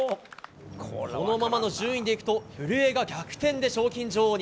このままの順位でいくと古江が逆転で賞金女王に。